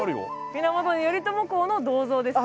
源頼朝公の銅像ですね。